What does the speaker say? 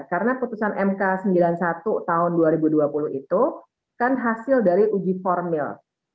karena putusan mk sembilan puluh satu tahun dua ribu dua puluh itu kan hasil dari uji formil